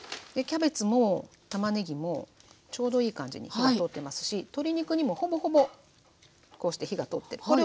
キャベツもたまねぎもちょうどいい感じに火が通ってますし鶏肉にもほぼほぼこうして火が通ってる。